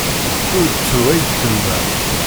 Ur ttru, ay d-tenna.